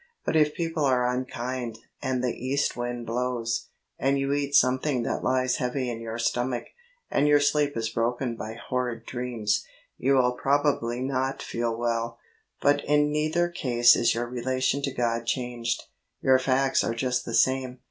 But if people are unkind, and the east wind blows, and you eat something that lies heavy in your stomach, and your sleep is broken by horrid dreams, you will probably not feel well ; but in neither case is your relation to God changed. Your facts are just the same.